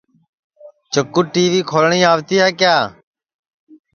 چکُو ٹی وی کھولٹؔی آوتی ہے کیا